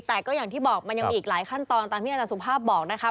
แต่ก็อย่างที่บอกมันยังมีอีกหลายขั้นตอนตามที่อาจารย์สุภาพบอกนะคะ